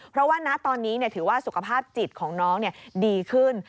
เพราะว่าณตอนนี้ถือว่าสุขภาพจิตของน้องดีขึ้น